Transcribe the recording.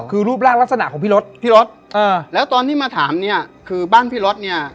คือรูปร่างลักษณะของพี่รถพี่รถเออแล้วตอนที่มาถามเนี่ยคือบ้านพี่รถเนี่ย